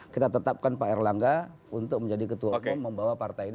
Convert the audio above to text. kita tetapkan pak erlangga untuk menjadi ketua umum membawa partai ini